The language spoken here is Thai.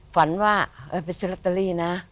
ฝันว่าไปซื้อลัตรีนะ